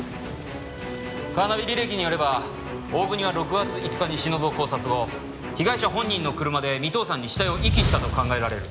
カーナビ履歴によれば大國は６月５日にしのぶを絞殺後被害者本人の車で三頭山に死体を遺棄したと考えられる。